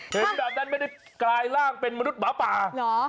เห็นแบบนั้นไม่ได้กลายร่างเป็นมนุษย์หมาป่าเหรอ